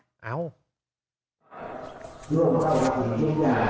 ทุกอย่างใช่เหมือนมันนี้สองร้อยค่ะ